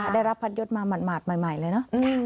ได้รับพัดยศมาหมาดใหม่เลยเนอะ